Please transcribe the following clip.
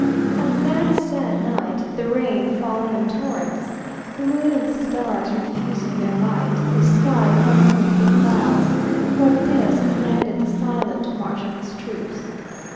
On that "sad night," the rain falling in torrents, the moon and the stars refusing their light, the sky covered with thick clouds, Cortes commanded the silent march of his troops.